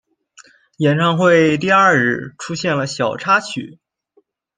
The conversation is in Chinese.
演唱会第二日出现了小插曲。